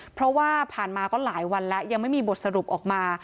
เพราะว่าผ่านมาก็หลายวันแล้วยังไม่มีบทสรุปออกมา